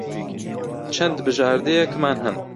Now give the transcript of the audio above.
چەند بژاردەیەکمان ھەن.